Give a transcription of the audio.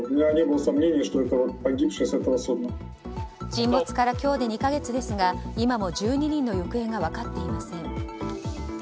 沈没から今日で２か月ですが今も１２人の行方が分かっていません。